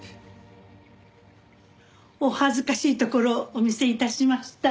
お恥ずかしいところをお見せ致しました。